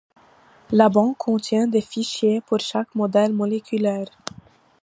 La banque contient des fichiers pour chaque modèle moléculaire.